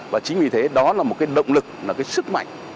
và chính vì thế đó là một động lực một sức mạnh